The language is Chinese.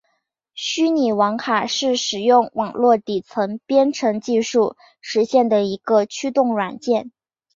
虚拟网卡是使用网络底层编程技术实现的一个驱动软件。